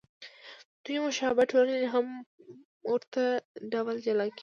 دوې مشابه ټولنې هم په ورته ډول جلا کېږي.